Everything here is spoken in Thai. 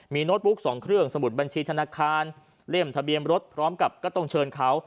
มีโน้ตบุ๊ก๒เครื่องสมุดบัญชีธนาคารเล่มทะเบียนรถพร้อมกับก็ต้องเชิญเขา